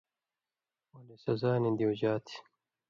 ولے سزا نی دیُوژا تھی۔